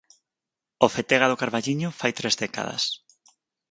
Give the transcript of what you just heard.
O Fetega do Carballiño fai tres décadas.